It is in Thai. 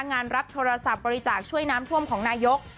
งานรับโทรศัพท์บริจาคช่วยน้ำท่วมของนายก